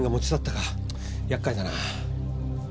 厄介だな。